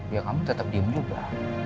ya kamu tetap diem juga